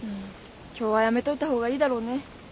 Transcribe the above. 今日はやめといた方がいいだろうね。